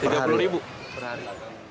rp tiga puluh ribu per hari